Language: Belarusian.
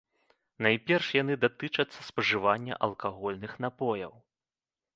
Найперш яны датычацца спажывання алкагольных напояў.